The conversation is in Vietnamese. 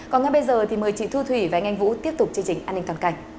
còn ngay bây giờ thì mời chị thu thủy và anh vũ tiếp tục chương trình an ninh toàn cảnh